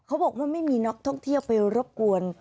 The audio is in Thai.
เขาบอกว่าไม่มีนักท่องเที่ยวไปรบกวน